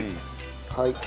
はい。